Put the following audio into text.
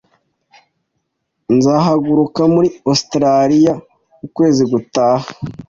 Nzahaguruka muri Ositaraliya ukwezi gutaha.